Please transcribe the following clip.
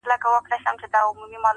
د سپوږمۍ سره یې پټ د میني راز دی-